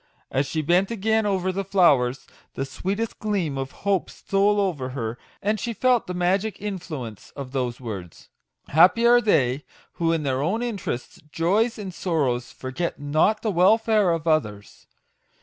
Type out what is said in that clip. As she bent again over the flowers, the sweetest gleam of hope stole over her, and she felt the magic influence of those words. Happy are they who in their own interests, joys, and sorrows, forget not the welfare of others